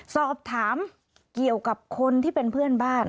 สอบถามเกี่ยวกับคนที่เป็นเพื่อนบ้าน